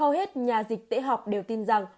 hầu hết nhà dịch tễ học đều tin rằng